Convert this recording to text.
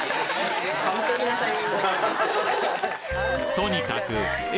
とにかく笑